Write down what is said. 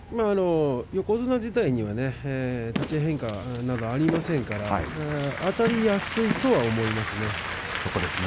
横綱自体には立ち合い変化などありませんからあたりやすいと思うんですよね。